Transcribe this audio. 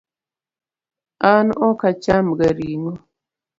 An ok acham ga ring'o